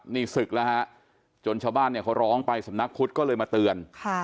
นี่ศึกแล้วฮะจนชาวบ้านเนี่ยเขาร้องไปสำนักพุทธก็เลยมาเตือน